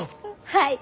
はい！